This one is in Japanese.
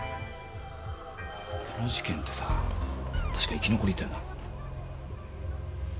この事件ってさ確か生き残りいたよな。